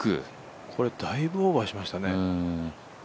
これだいぶオーバーしましたね。